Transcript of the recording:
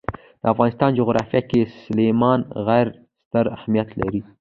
د افغانستان جغرافیه کې سلیمان غر ستر اهمیت لري.